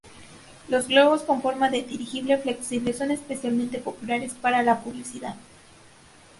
Los globos con forma de dirigible flexible son especialmente populares para publicidad.